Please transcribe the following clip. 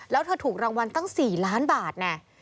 แล้วเธอถูกรางวัลตั้ง๔ล้านบาทแน่